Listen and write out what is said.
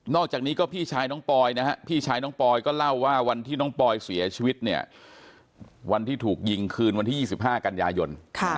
อกจากนี้ก็พี่ชายน้องปอยนะฮะพี่ชายน้องปอยก็เล่าว่าวันที่น้องปอยเสียชีวิตเนี่ยวันที่ถูกยิงคืนวันที่๒๕กันยายน